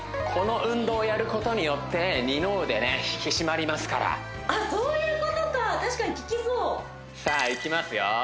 この運動をやることによって二の腕ね引き締まりますからあっそういうことか確かに効きそうさあいきますよ